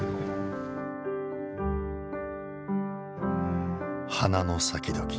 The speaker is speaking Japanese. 「花の咲きどき」。